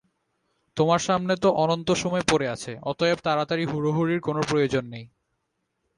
তোমার সামনে তো অনন্ত সময় পড়ে আছে, অতএব তাড়াতাড়ি হুড়োহুড়ির কোন প্রয়োজন নেই।